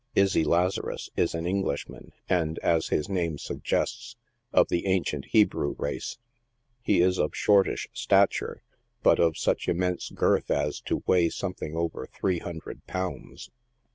Izzy Lazarus is an Englishman, and, as his name suggests, of the ancient Hebrew race. He is of shortish stature, but of such immense girth as to weigh something over three hun dred pounds.